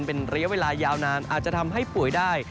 เป็นระยะเวลายาวนานอาจจะทำให้ป่วยได้